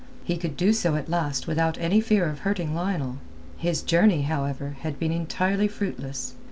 He could do so at last without any fear of hurting Lionel. His journey, however, had been entirely fruitless.